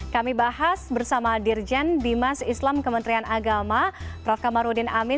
kami bahas bersama dirjen bimas islam kementerian agama prof kamarudin amin